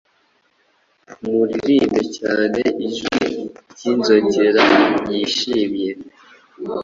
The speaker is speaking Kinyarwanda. Muririmbe cyane Ijwi ryinzogera yishimye,